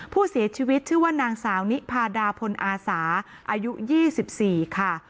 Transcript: ผู้เสียชีวิตชื่อว่านางสาวนิพาดาพลอาสาอายุ๒๔ค่ะ